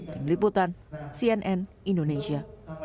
ting liputan cnn indonesia